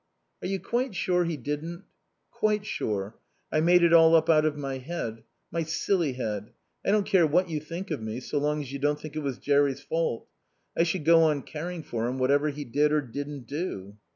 "Are you quite sure he didn't?" "Quite sure. I made it all up out of my head. My silly head. I don't care what you think of me so long as you don't think it was Jerry's fault. I should go on caring for him whatever he did or didn't do."